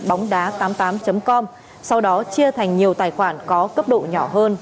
bóngđá tám mươi tám com sau đó chia thành nhiều tài khoản có cấp độ nhỏ hơn